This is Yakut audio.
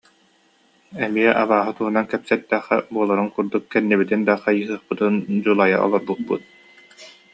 Эмиэ абааһы туһунан кэпсэттэххэ буоларын курдук, кэннибитин да хайыһыахпытын дьулайа олорбуппут